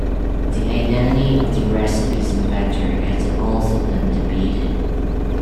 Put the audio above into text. The identity of the recipe's inventor has also been debated.